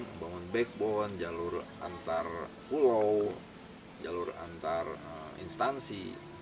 membangun latar belakang jalur antar pulau jalur antar instansi